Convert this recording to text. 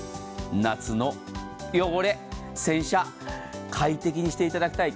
夏の汚れ、洗車、快適にしていただきたい。